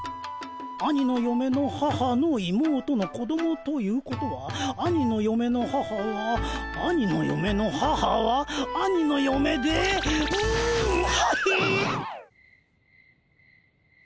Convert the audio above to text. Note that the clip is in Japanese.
兄のよめの母の妹の子供ということは兄のよめの母は兄のよめの母は兄のよめでうむはひ！